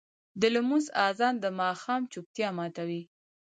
د لمونځ اذان د ماښام چوپتیا ماتوي.